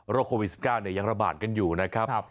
โควิด๑๙ยังระบาดกันอยู่นะครับ